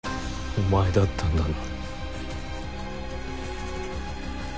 お前だったんだな。